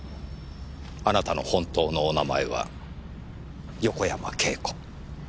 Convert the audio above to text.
あなたの本当のお名前は横山慶子。